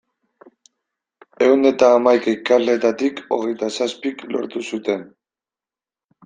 Ehun eta hamaika ikasleetatik hogeita zazpik lortu zuten.